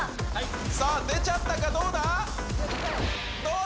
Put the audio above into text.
さあ、出ちゃったか、どうだ？